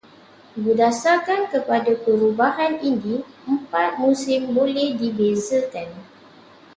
Berdasarkan kepada perubahan ini, empat musim boleh dibezakan.